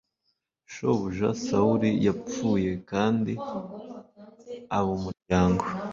shobuja sawuli yapfuye kandi ab umuryango